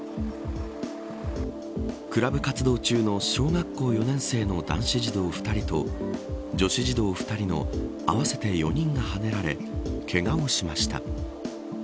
クラブ活動中の小学校４年生の男子児童２人と女子児童２人の合わせて４人がはねられけがをしました。